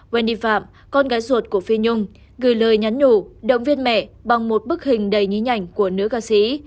veni phạm con gái ruột của phi nhung gửi lời nhắn nhủ động viên mẹ bằng một bức hình đầy nhí ảnh của nữ ca sĩ